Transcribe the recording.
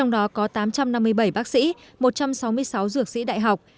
một trăm năm mươi bảy bác sĩ một trăm sáu mươi sáu dược sĩ đại học